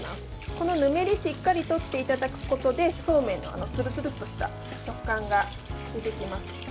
この、ぬめりをしっかり取っていただくことでそうめんのあのツルツルッとした食感が出てきます。